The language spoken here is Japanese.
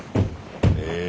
へえ。